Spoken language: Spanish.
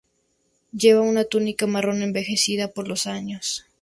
Lleva una túnica marrón, envejecida por los años.